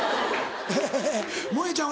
えぇもえちゃん